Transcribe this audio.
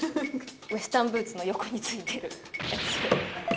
ウェスタンブーツの横に付いてるやつですか？